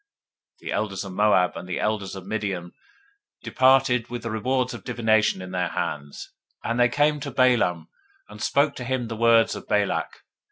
022:007 The elders of Moab and the elders of Midian departed with the rewards of divination in their hand; and they came to Balaam, and spoke to him the words of Balak.